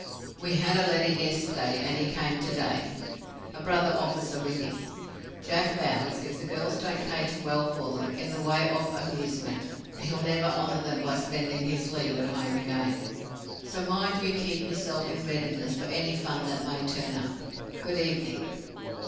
"We had a letter yesterday, and he came to day a brother officer with him. Jack vows if the girls don't cater well for them in the way of amusement, he'll never honor them by spending his leave at home again; so mind you keep yourself in readiness for any fun that may turn up. Good evening."